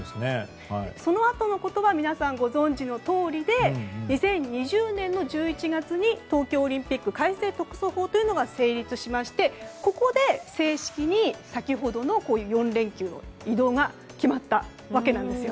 そのあとのことは皆さん、ご存じのとおりで２０２０年の１１月に東京オリンピック改正特措法というのが成立しましてここで正式に先ほどの４連休の移動が決まったわけなんです。